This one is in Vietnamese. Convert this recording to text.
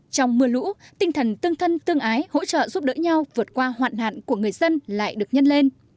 trong mưa lũ tinh thần tương thân tương ái hỗ trợ giúp đỡ nhau vượt qua hoạn nạn của người dân lại được nhân lên